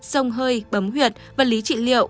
sông hơi bấm huyệt vật lý trị liệu